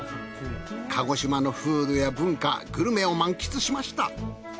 鹿児島の風土や文化グルメを満喫しました。